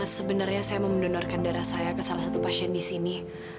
sebenarnya saya mau mendonorkan darah saya ke salah satu pasien di sini